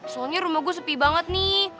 soalnya rumah gue sepi banget nih